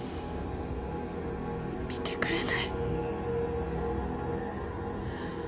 見てくれない。